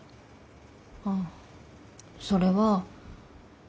あっそれは。